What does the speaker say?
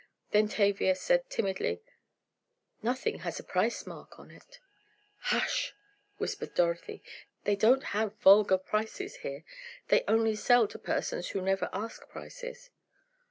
Then Tavia said timidly: "Nothing has a price mark on!" "Hush!" whispered Dorothy, "they don't have vulgar prices here. They only sell to persons who never ask prices."